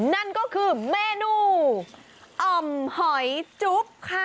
นั่นก็คือเมนูอ่อมหอยจุ๊บค่ะ